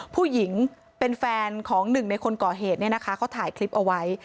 ผู้หญิงเป็นแฟนของหนึ่งในคนก่อเหตุเนี่ยนะคะเขาถ่ายคลิปเอาไว้